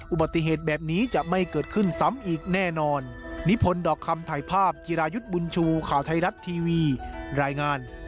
อุบัติเหตุแบบนี้จะไม่เกิดขึ้นซ้ำอีกแน่นอน